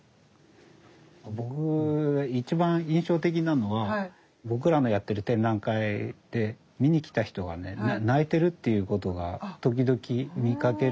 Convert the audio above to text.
僕が一番印象的なのは僕らのやってる展覧会で見に来た人がね泣いてるっていうことが時々見かける。